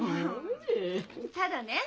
ただね